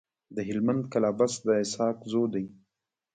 د هلمند کلابست د اسحق زو دی.